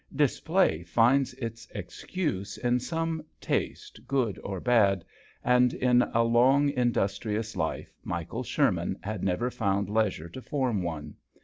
Display finds its excuse in some taste good or bad, and in a long indus trious life Michael Sherman had never found leisure to form one.